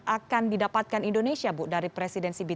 akan didapatkan indonesia bu dari presidensi b dua puluh